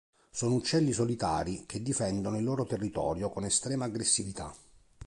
Sono uccelli solitari che difendono il loro territorio con estrema aggressività.